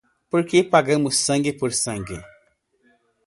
Pois pagamos sangue por sangue